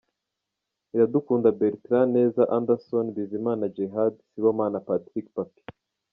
Iradukunda Bertrand, Neza Anderson, Bizimana Djihad, Sibomana Patrick Papy.